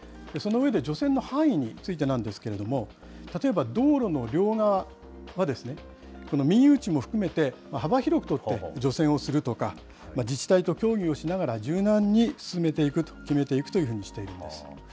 その上で、除染の範囲についてなんですけども、例えば道路の両側は、民有地も含めて、幅広く取って、除染をするとか、自治体と協議をしながら、柔軟に進めていく、決めていくというふうにしているんです。